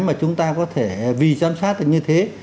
mà chúng ta có thể vì giám sát được như thế